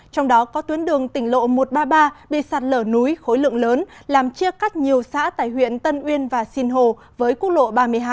trong đó có tuyến đường tỉnh lộ một trăm ba mươi ba bị sạt lở núi khối lượng lớn làm chia cắt nhiều xã tại huyện tân uyên và sinh hồ với quốc lộ ba mươi hai